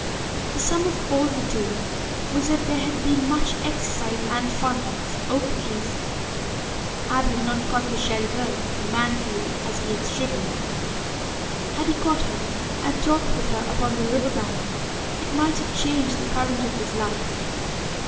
The sum of all the day was that there had been much exercise and fun, for Oak at least. Ab had not caught the Shell girl, manfully as he had striven. Had he caught her and talked with her upon the river bank it might have changed the current of his life.